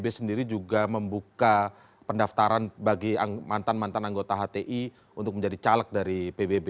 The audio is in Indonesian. pbb sendiri juga membuka pendaftaran bagi mantan mantan anggota hti untuk menjadi caleg dari pbb